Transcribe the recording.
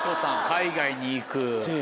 海外に行く。